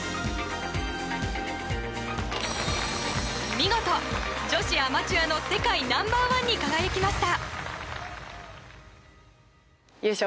見事、女子アマチュアの世界ナンバー１に輝きました。